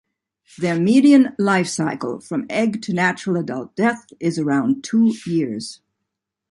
Their median life cycle from egg to natural adult death is around two years.